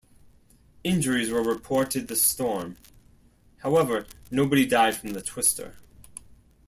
Injuries were reported with this storm; however, nobody died from the twister.